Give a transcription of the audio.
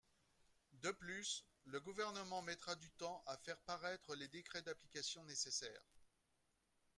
De plus, le Gouvernement mettra du temps à faire paraître les décrets d’application nécessaires.